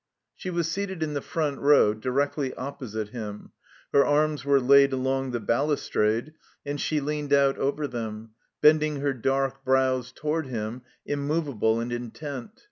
She was seated in the front row directly opposite him; her arms were laid along the balustrade, and she leaned out over them, bending her dark brows toward him, immovable and intent.